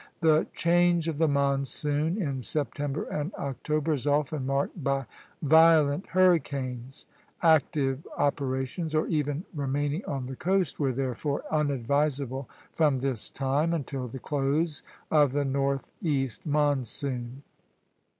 The "change of the monsoon," in September and October, is often marked by violent hurricanes. Active operations, or even remaining on the coast, were therefore unadvisable from this time until the close of the northeast monsoon.